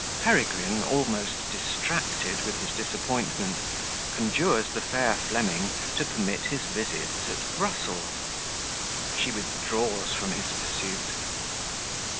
Peregrine, almost distracted with his Disappointment, conjures the fair Fleming to permit his Visits at Brussels She withdraws from his Pursuit.